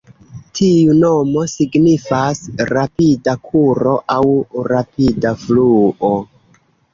Tiu nomo signifas "rapida kuro" aŭ "rapida fluo".